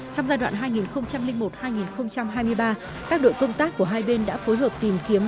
trong giai đoạn hai nghìn một hai nghìn hai mươi ba các đội công tác của hai bên đã phối hợp tìm kiếm